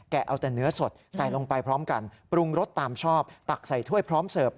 เอาแต่เนื้อสดใส่ลงไปพร้อมกันปรุงรสตามชอบตักใส่ถ้วยพร้อมเสิร์ฟ